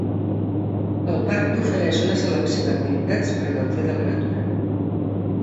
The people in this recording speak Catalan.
El parc t'ofereix una selecció d'activitats per gaudir de la natura.